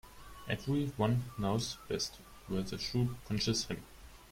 Every one knows best where the shoe pinches him.